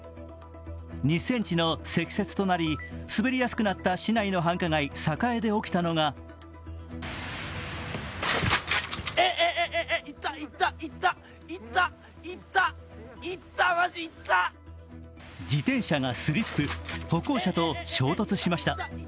２ｃｍの積雪となり、滑りやすくなった市外の繁華街、栄で起きたのが自転車がスリップ歩行者と衝突しました。